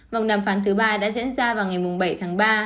vòng đàm phán thứ ba đã diễn ra vào ngày bảy tháng ba